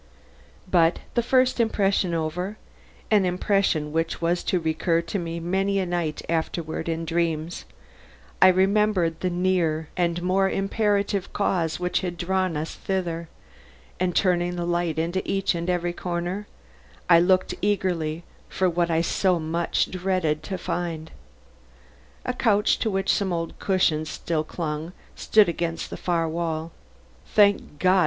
But the first impression over an impression which was to recur to me many a night afterward in dreams I remembered the nearer and more imperative cause which had drawn us thither, and turning the light into each and every corner, looked eagerly for what I so much dreaded to find. A couch to which some old cushions still clung stood against the farther wall. Thank God!